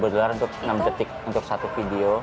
delapan dolar untuk enam detik untuk satu video